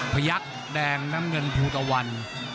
ยักษ์แดงน้ำเงินภูตะวัน